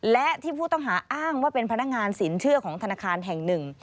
และที่ผู้ต้องหาอ้างว่าเป็นพนักงานสินเชื่อของธนาคารแห่งหนึ่ง